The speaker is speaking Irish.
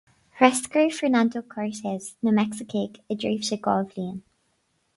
Threascair Fernando Cortes na Meicsicigh i dtréimhse dhá bhliain